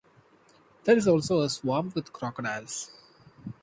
There is also a swamp with crocodiles.